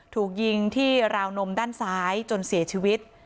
ถูกยิงที่ราวนมด้านซ้ายจนเสียชีวิต